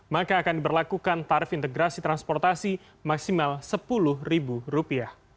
maka akan diberlakukan tarif integrasi transportasi maksimal rp sepuluh